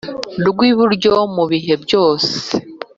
Rwiburyo mubihe byose